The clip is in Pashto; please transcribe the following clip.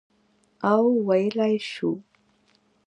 او ویلای شو،